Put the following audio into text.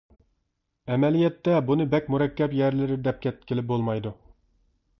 ئەمەلىيەتتە بۇنى بەك مۇرەككەپ يەرلىرى دەپ كەتكىلى بولمايدۇ.